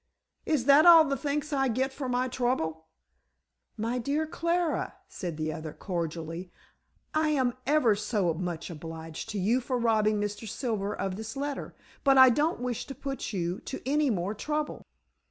"Is that all the thanks I get for my trouble?" "My dear Clara," said the other cordially, "I am ever so much obliged to you for robbing Mr. Silver of this letter. But I don't wish to put you to any more trouble."